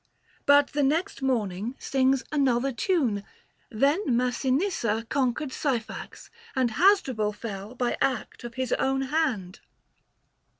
But the next morning sings another tune ; Then Massinissa conquered Syphax, and Hasdrubal fell by act of his own hand.